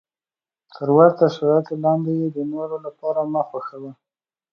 تر ورته شرایطو لاندې یې د نورو لپاره مه خوښوه.